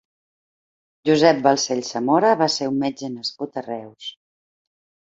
Josep Balsells Samora va ser un metge nascut a Reus.